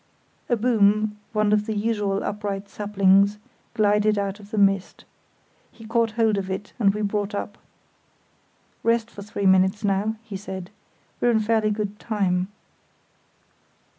A boom, one of the usual upright saplings, glided out of the mist. He caught hold of it, and we brought up. "Rest for three minutes now," he said. "We're in fairly good time."